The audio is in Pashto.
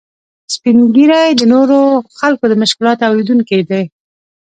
سپین ږیری د نورو خلکو د مشکلاتو اورېدونکي دي